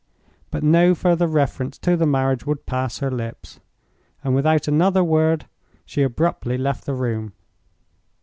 But no further reference to the marriage would pass her lips, and without another word she abruptly left the room.